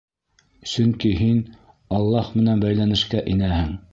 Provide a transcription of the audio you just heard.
Сөнки һин Аллаһ менән бәйләнешкә инәһең.